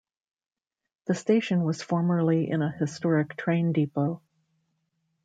The station was formerly in a historic train depot.